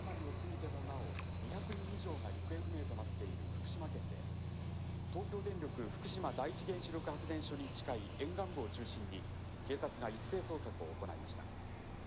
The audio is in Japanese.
「２００人以上が行方不明となっている福島県で東京電力福島第一原子力発電所に近い沿岸部を中心に警察が一斉捜索を行いました。